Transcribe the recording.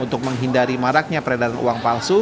untuk menghindari maraknya peredaran uang palsu